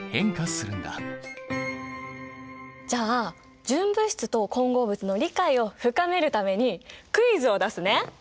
じゃあ純物質と混合物の理解を深めるためにクイズを出すね。